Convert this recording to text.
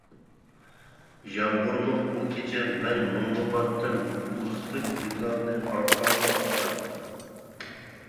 يامغۇرلۇق بۇ كېچە، مەن مۇڭغا پاتتىم، ئۇزىتىپ يىللارنى ئارقامغا ئاتتىم.